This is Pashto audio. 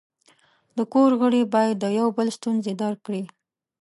د کور غړي باید د یو بل ستونزې درک کړي.